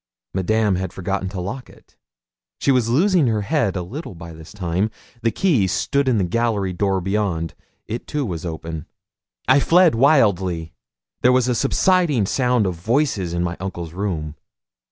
Madame had forgotten to lock it; she was losing her head a little by this time. The key stood in the gallery door beyond; it too, was open. I fled wildly. There was a subsiding sound of voices in my uncle's room.